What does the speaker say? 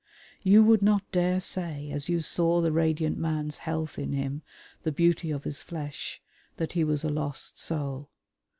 You would not dare say as you saw the radiant man's health in him, the beauty of his flesh, that he was a lost soul.